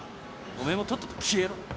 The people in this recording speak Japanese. おめえもとっとと消えろ。